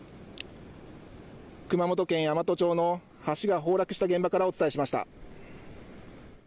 熊本県山都町の橋が崩落した現場からお伝えしました。